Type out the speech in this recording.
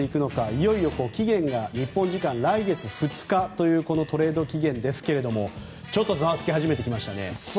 いよいよ期限が日本時間来月２日というこのトレード期限ですがちょっとざわつき始めてきましたね。